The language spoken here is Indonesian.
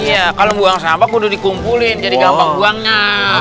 iya kalau buang sampah udah dikumpulin jadi gampang buangnya